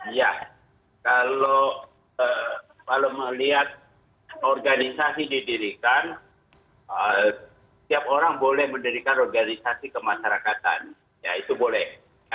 iya kalau melihat organisasi didirikan setiap orang boleh mendirikan organisasi kemasyarakatan ya itu boleh